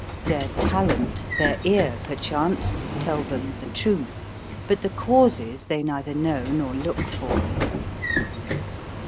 Their talent, their ear perchance, tell them the truth ; but the causes they neither know nor look for.